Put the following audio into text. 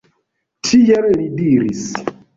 Tiel li diris.